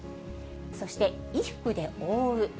そして衣服で覆う。